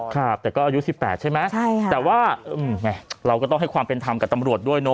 ครับแต่ก็อายุ๑๘ใช่ไหมใช่ค่ะแต่ว่าเราก็ต้องให้ความเป็นธรรมกับตำรวจด้วยเนอ